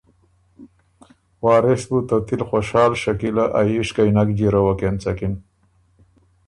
وارث بُو ته تِل خوشال شکیلۀ ا ييشکئ نک جیروَک اېنڅکِن